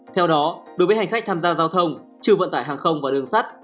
theo đó đối với hành khách tham gia giao thông trừ vận tải hàng không và đường sắt